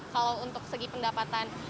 kalau untuk segi pendapatan